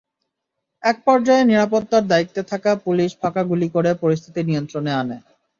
একপর্যায়ে নিরাপত্তার দায়িত্বে থাকা পুলিশ ফাঁকা গুলি করে পরিস্থিতি নিয়ন্ত্রণে আনে।